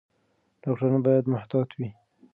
ډاکټران باید محتاط وي.